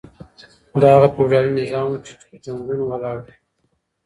دا هغه فيوډالي نظام و چي په جنګونو ولاړ و.